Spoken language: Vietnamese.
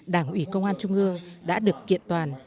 đảng ủy công an trung ương đã được kiện toàn